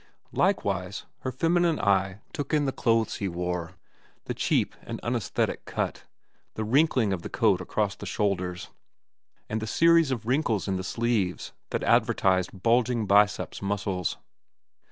Likewise her feminine eye took in the clothes he wore, the cheap and unaesthetic cut, the wrinkling of the coat across the shoulders, and the series of wrinkles in the sleeves that advertised bulging biceps muscles.